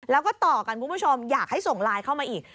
แล้วก็ต่อกันคุณผู้ชมอยากให้ส่งไลน์เข้ามาอีก